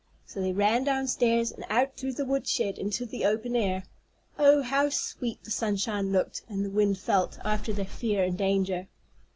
So they ran downstairs, and out through the wood shed into the open air. Oh, how sweet the sunshine looked, and the wind felt, after their fear and danger!